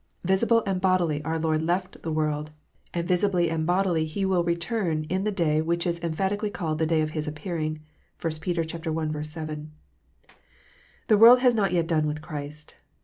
Visibly and bodily our Lord left the world, and visibly and bodily He will return in the day which is emphatically called the day of " His appear ing." (1 Peter i. 7.) The world has not yet done with Christ.